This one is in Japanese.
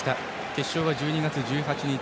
決勝は１２月１８日